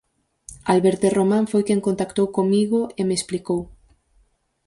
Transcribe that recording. Alberte Román foi quen contactou comigo e me explicou.